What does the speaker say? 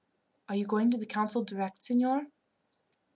"Are you going to the council direct, signor?"